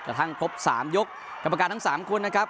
กระทั่งครบ๓ยกกรรมการทั้ง๓คนนะครับ